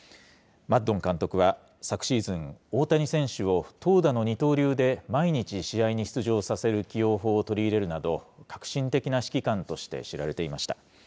マッドン監督は昨シーズン、大谷選手を投打の二刀流で、毎日試合に出場させる起用法を取り入れるなど、革新的な指揮官として知られていました。